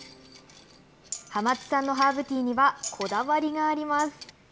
浜津さんのハーブティーにはこだわりがあります。